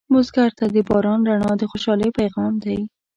بزګر ته د باران رڼا د خوشحالۍ پیغام دی